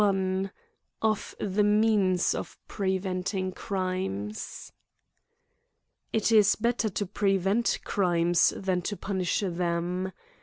•XLI, Of the Means of preventing Crimes, IT is better to prevent crimes than to punish them.